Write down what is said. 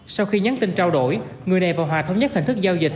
sau khi nhắn tin trao đổi người này và hòa thống nhất hình thức giao dịch